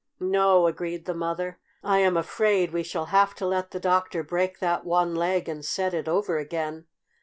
"No," agreed the mother. "I am afraid we shall have to let the doctor break that one leg and set it over again.